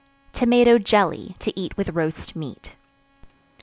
Tomato Jelly, to eat with Roast Meat.